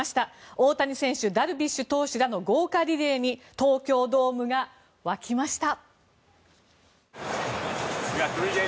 大谷選手、ダルビッシュ投手らの豪華リレーに東京ドームが沸きました。